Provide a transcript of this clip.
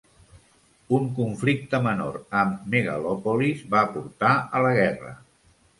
Un conflicte menor amb Megalòpolis va portar a la guerra.